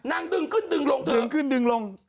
นางดึงขึ้นดึงลงเถอะ